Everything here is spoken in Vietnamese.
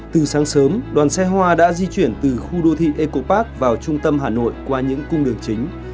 từ sáng sớm đoàn xe hoa đã di chuyển từ khu đô thị eco park vào trung tâm hà nội qua những cung đường chính